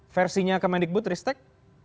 versinya kemendikbud ristek